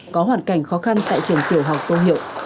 có hoàn cảnh khó khăn tại trường tiểu học tôn hiệu